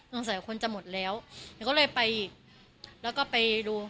สงสัยคนจะหมดแล้วหนูก็เลยไปแล้วก็ไปดู